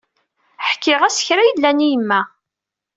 Ḥkiɣ-as kra yellan i yemma.